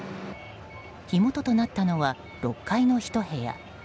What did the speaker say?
火元となったのは６階のひと部屋。